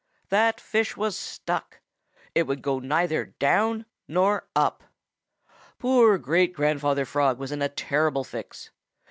That fish was stuck! It would go neither down nor up. "Poor Great grandfather Frog was in a terrible fix.